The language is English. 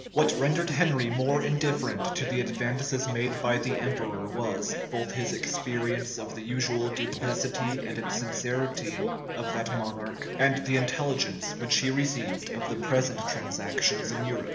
What rendered Henry more indifferent to the advances made by the emperor was, both his experience of the usual duplicity and insincerity of that monarch, and the intelligence which he received of the present transactions in Europe.